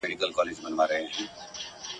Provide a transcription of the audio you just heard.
له غړومبي چي وېرېدلی وو پښېمان سو ..